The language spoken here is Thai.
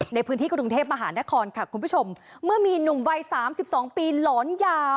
ในพื้นที่กรุงเทพมหานครค่ะคุณผู้ชมเมื่อมีหนุ่มวัยสามสิบสองปีหลอนยา